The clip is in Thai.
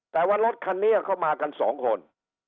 แต่ว่ารถคันนี้เข้ามากันสองคน